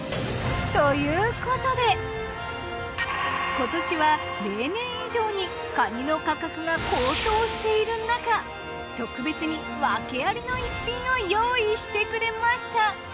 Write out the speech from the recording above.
今年は例年以上にかにの価格が高騰しているなか特別に訳ありの逸品を用意してくれました。